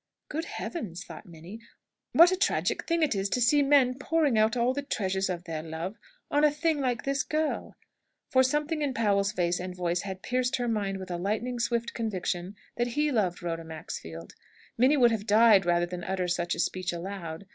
"Good Heaven!" thought Minnie, "what a tragic thing it is to see men pouring out all the treasures of their love on a thing like this girl!" For something in Powell's face and voice had pierced her mind with a lightning swift conviction that he loved Rhoda Maxfield. Minnie would have died rather than utter such a speech aloud.